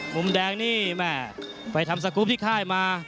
มุมแดงนี่แม่ไปทำสกรูปที่ค่ายมา